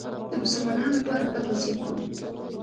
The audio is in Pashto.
د مسلمانانو لپاره بد وضعیت و